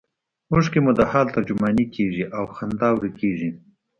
اوښکې مو د حال ترجمانې کیږي او خندا ورکیږي